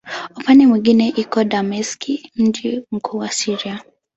Upande mwingine iko Dameski, mji mkuu wa Syria.